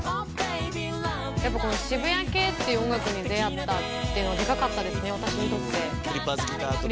やっぱこの渋谷系という音楽に出会ったっていうのはでかかったですね、私にとって。